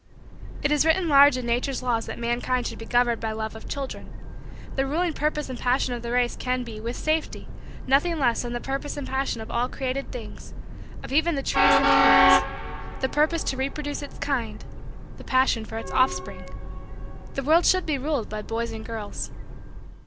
It is written large in Nature's laws that mankind should be governed by love of children. The ruling purpose and passion of the race can be, with safety, nothing less than the purpose and passion of all created things of even the trees and plants the purpose to reproduce its kind the passion for its offspring. The world should be ruled by boys and girls.